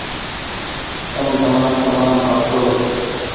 تم تمآر ڪمآن کآئو ڇو